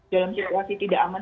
dalam situasi tidak aman